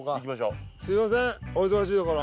すいませんお忙しいところ。